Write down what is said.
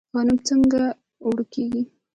غنم څنګه اوړه کیږي؟